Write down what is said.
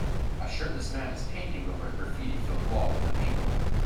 A shirtless man is painting over a graffiti filled wall with a paint roller.